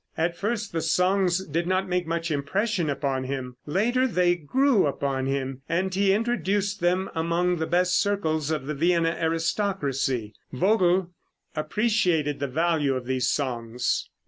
At first the songs did not make much impression upon him; later they grew upon him, and he introduced them among the best circles of the Vienna aristocracy. Vogl appreciated the value of these songs.